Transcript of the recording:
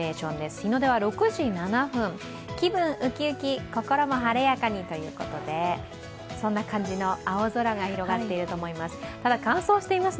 日の出は６時７分、気分ウキウキ心も晴れやかにということで、そんな感じの青空が広がっていると思います。